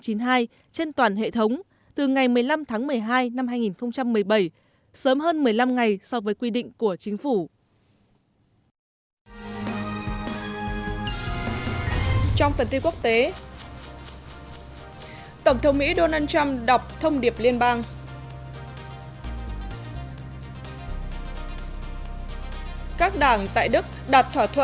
trên toàn hệ thống từ ngày một mươi năm tháng một mươi hai năm hai nghìn một mươi bảy sớm hơn một mươi năm ngày so với quy định của chính phủ